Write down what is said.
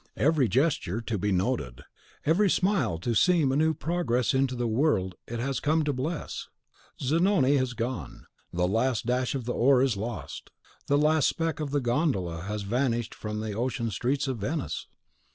Every gesture to be noted, every smile to seem a new progress into the world it has come to bless! Zanoni has gone, the last dash of the oar is lost, the last speck of the gondola has vanished from the ocean streets of Venice!